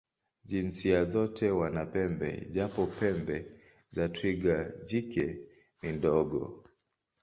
Jinsia zote wana pembe, japo pembe za twiga jike ni ndogo.